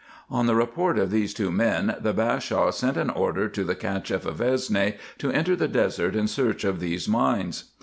On the report of these two men, the Bashaw sent an order to the Cacheff of Esne to enter the desert in search of those mines.